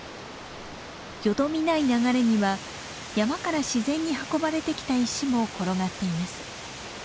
よどみない流れには山から自然に運ばれてきた石も転がっています。